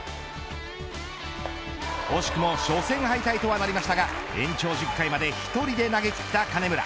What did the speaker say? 惜しくも初戦敗退となりましたが延長１０回まで１人で投げきった金村。